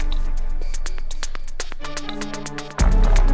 dia pikir karena pemerkosaan itu kamu berubah dan gak peduli lagi sama dia